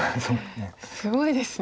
すごいですね。